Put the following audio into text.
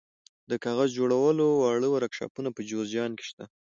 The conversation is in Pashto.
د کاغذ جوړولو واړه ورکشاپونه په جوزجان کې شته.